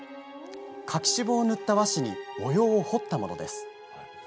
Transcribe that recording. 柿渋を塗った和紙に模様を彫ったものです。